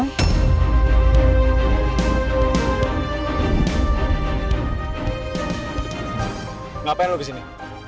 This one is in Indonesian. kenapa yang lu kesini